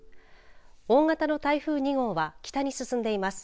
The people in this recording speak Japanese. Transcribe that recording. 大型の台風２号は北に進んでいます。